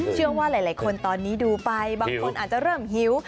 เชื่อว่าหลายคนตอนนี้ดูไปบางคนอาจจะเริ่มหิว